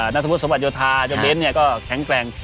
นัทพุทธสมบัติโยธาเจ้าเบนท์เนี่ยก็แข็งแปลง